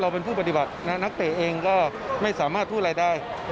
เป็นผู้ปฏิบัตินักเตะเองก็ไม่สามารถพูดอะไรได้